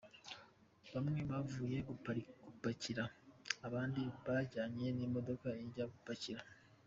Bamwe bavuye gupakira, abandi bajyanye n’imodoka ijya gupakira.